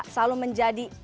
selalu menjadi informasi